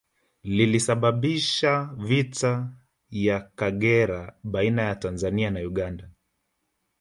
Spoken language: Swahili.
Lilisababisha vita ya Kagera baina ya Tanzania na Uganda